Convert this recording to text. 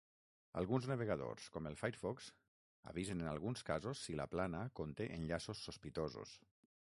Alguns navegadors, com el Firefox, avisen en alguns casos si la plana conté enllaços sospitosos.